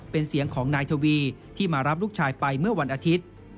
เป็นเสียงของนายทวีที่มารับลูกชายไปเมื่อวันอาทิตย์